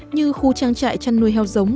như khu trang trại chăn nuôi heo giống